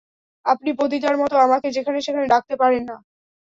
আপনি পতিতার মতো আমাকে যেখানে-সেখানে ডাকতে পারেন না।